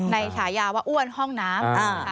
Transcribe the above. ฉายาว่าอ้วนห้องน้ำ